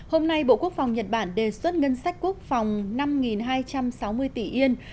hôm nay bộ quốc phòng nhật bản đề xuất ngân sách quốc phòng năm hai trăm sáu mươi tỷ yên